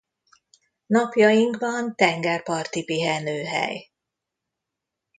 Napjainkban tengerparti pihenőhely.